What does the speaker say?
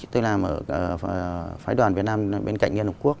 tôi làm ở phái đoàn việt nam bên cạnh liên hợp quốc